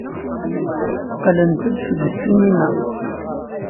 Qqlent-d seg ssinima.